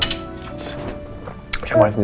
saya mau sendiri aja